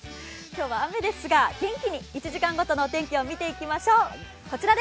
今日は雨ですが、元気に１時間ごとのお天気を見ていきましょう。